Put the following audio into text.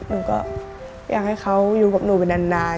หนูก็อยากให้เขาอยู่กับหนูไปนาน